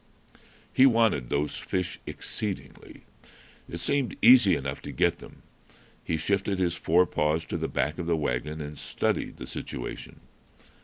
He wanted those fish exceedingly. It seemed easy enough to get them. He shifted his fore paws to the back of the wagon, and studied the situation.